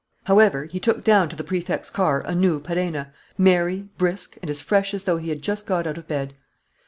However, he took down to the Prefect's car a new Perenna, merry, brisk, and as fresh as though he had just got out of bed.